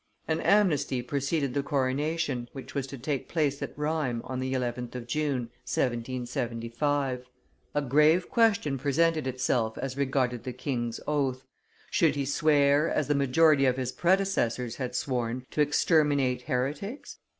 An amnesty preceded the coronation, which was to take place at Rheims on the 11th of June, 1775. A grave question presented itself as regarded the king's oath: should he swear, as the majority of his predecessors had sworn, to exterminate heretics?